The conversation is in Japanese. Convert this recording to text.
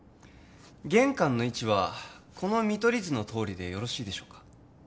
玄関の位置はこの見取り図のとおりでよろしいでしょうか？